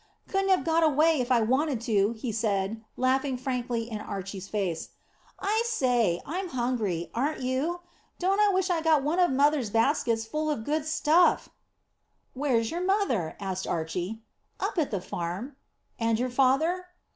"Couldn't have got away if I wanted to," he said, laughing frankly in Archy's face. "I say, I am hungry! Aren't you? Don't I wish I'd got one of mother's baskets full of good stuff!" "Where's your mother?" asked Archy. "Up at the farm." "And your father?"